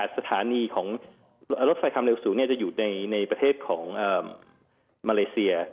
สถานีของรถไฟความเร็วสูงจะอยู่ในประเทศของมาเลเซีย